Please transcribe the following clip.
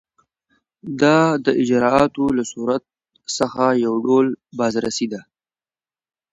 دا د اجرااتو له صورت څخه یو ډول بازرسي ده.